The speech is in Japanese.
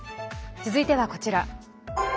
続いてはこちら。